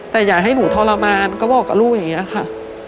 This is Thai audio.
แต่อย่าให้หนูทรมานก็บอกกับลูกอย่างนี้ค่ะ